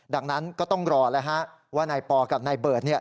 ดังนั้นก็ต้องรอแล้วว่านายปอกับนายเบิร์ต